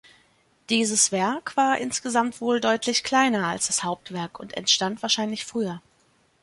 Dieses Werk war insgesamt wohl deutlich kleiner als das Hauptwerk und entstand wahrscheinlich früher.